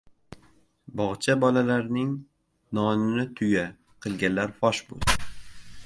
Bog‘cha bolalarining "nonini tuya” qilganlar fosh bo‘ldi